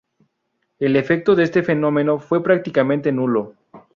El efecto de este fenómeno fue prácticamente nulo.